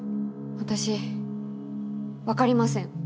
私分かりません。